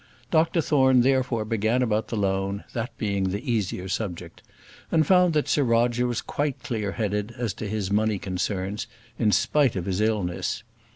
Dr Thorne therefore began about the loan, that being the easier subject, and found that Sir Roger was quite clear headed as to his money concerns, in spite of his illness.